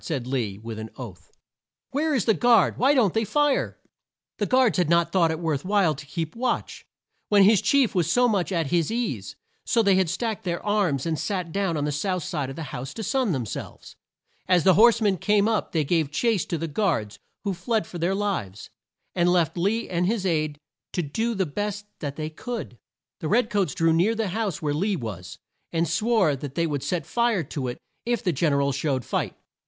said Lee with an oath. "Where is the guard? Why don't they fire?" The guards had not thought it worth while to keep watch, when their chief was so much at his ease, so they had stacked their arms and sat down on the south side of a house to sun them selves. As the horse men came up they gave chase to the guards who fled for their lives, and left Lee and his aide to do the best that they could. The red coats drew near the house where Lee was, and swore that they would set fire to it if the Gen er al showed fight.